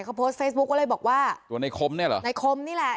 เขาโพสต์เฟซบุ๊คก็เลยบอกว่าตัวในคมเนี่ยเหรอในคมนี่แหละ